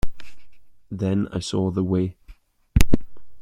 Then I saw the way.